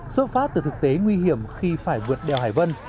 xuất phát từ thực tế nguy hiểm khi phải vượt đèo hải vân